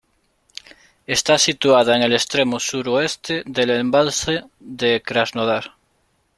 Está situada en el extremo suroeste del embalse de Krasnodar.